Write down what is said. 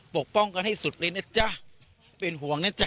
ป้องกันให้สุดเลยนะจ๊ะเป็นห่วงนะจ๊